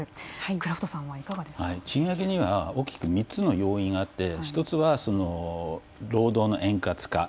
賃上げには大きく３つの要因があって１つは労働の円滑化。